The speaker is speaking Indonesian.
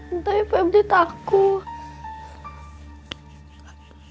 entah ya febri takut